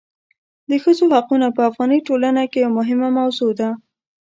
د ښځو حقونه په افغاني ټولنه کې یوه مهمه موضوع ده.